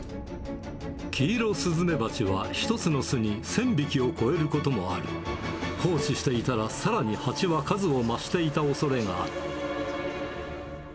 キイロスズメバチは、１つの巣に１０００匹を超えることもあり、放置していたらさらにハチは数を増していたおそれがある。